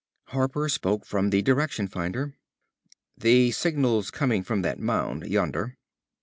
Harper spoke from the direction finder; "The signal's coming from that mound, yonder."